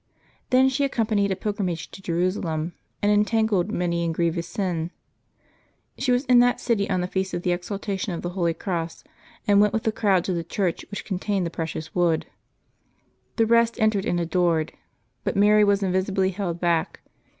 Then she accompanied a pilgrimage to Jerusalem, and entangled many in grievous sin. She was in that city on the Feast of the Exaltation of the Holy Cross, and went with the crowd to the church which contained the precious wood. The rest entered and adored ; but Mary was invisibly held back.